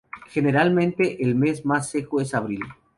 Generalmente el mes más seco es abril.